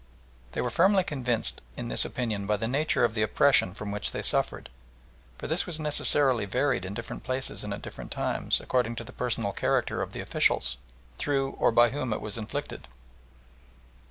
They were confirmed in this opinion by the nature of the oppression from which they suffered, for this necessarily varied in different places and at different times, according to the personal character of the officials through or by whom it was inflicted.